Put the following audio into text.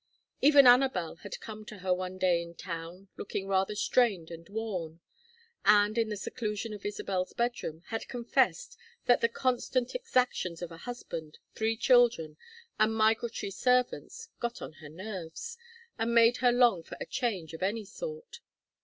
Even Anabel had come to her one day in town, looking rather strained and worn, and, in the seclusion of Isabel's bedroom, had confessed that the constant exactions of a husband, three children, and migratory servants "got on her nerves," and made her long for a change of any sort.